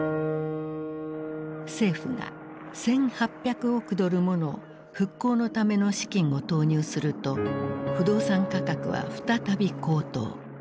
政府が１，８００億ドルもの復興のための資金を投入すると不動産価格は再び高騰。